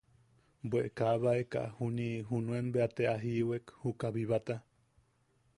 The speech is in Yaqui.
Bwe kabaeka, juniʼi junuen bea te a jiiwek uka bibata.